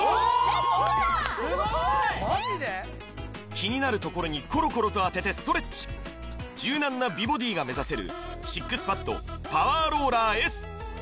気になるところにコロコロと当ててストレッチ柔軟な美ボディーが目指せるＳＩＸＰＡＤパワーローラーＳ